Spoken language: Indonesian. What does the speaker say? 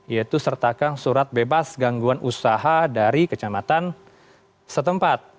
yaitu sertakan surat bebas gangguan usaha dari kecamatan setempat